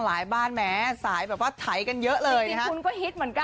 บ้านแม้สายแบบว่าไถกันเยอะเลยสิคุณก็ฮิตเหมือนกัน